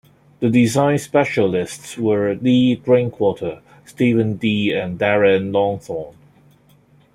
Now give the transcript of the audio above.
The design specialists were Lee Drinkwater, Stephen Dee and Darren Longthorne.